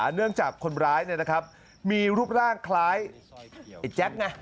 เนื่องจากคนร้ายนะครับมีรูปร่างคล้ายไอ้แจ๊กนะ